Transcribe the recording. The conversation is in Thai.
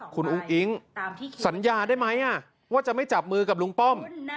คุณอุ้งอิ๊งสัญญาได้ไหมว่าจะไม่จับมือกับลุงป้อม